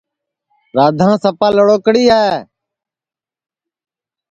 رادھاں سپا لڑوکڑی ہے